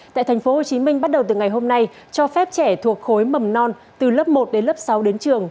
tại tp hcm bắt đầu từ ngày hôm nay cho phép trẻ thuộc khối mầm non từ lớp một đến lớp sáu đến trường